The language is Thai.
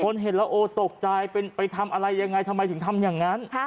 เห็นแล้วโอ้ตกใจไปทำอะไรยังไงทำไมถึงทำอย่างนั้น